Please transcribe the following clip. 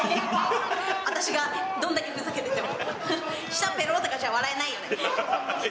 私がどんだけふざけてても、舌ぺろとかじゃ、笑えないよね。